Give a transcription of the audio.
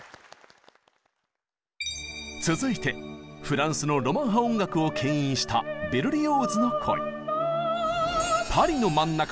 続いてフランスのロマン派音楽をけん引したベルリオーズの恋。